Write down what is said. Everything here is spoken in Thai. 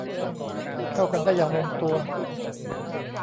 เข้ากันได้อย่างลงตัว